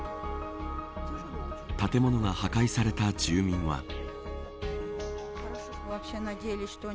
建物が破壊された住民は。